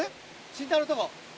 慎太郎のとこ。